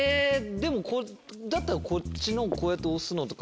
でもだったらこっちのこうやって押すのとかも。